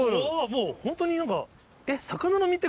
もうホントに何かえっ。